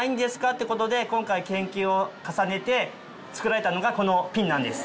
ってことで今回研究を重ねて作られたのがこのピンなんです。